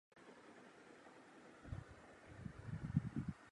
عہدہ پر ممتاز تھے